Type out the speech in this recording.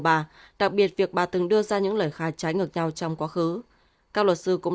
bà đặc biệt việc bà từng đưa ra những lời khai trái ngược nhau trong quá khứ các luật sư cũng